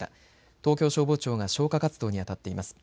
東京消防庁が消火活動に当たっています。